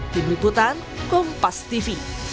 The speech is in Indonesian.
di berikutan kompas tv